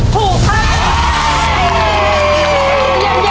ผู้คัด